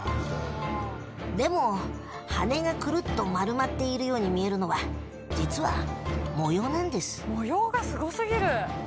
でも羽がくるっと丸まっているように見えるのは実は模様なんです模様がすごすぎる。